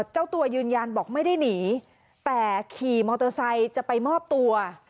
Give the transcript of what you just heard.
เจ้าตัวยืนยันบอกไม่ได้หนีแต่ขี่มอเตอร์ไซค์จะไปมอบตัว